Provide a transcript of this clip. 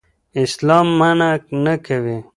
اسلام منع نه کوي.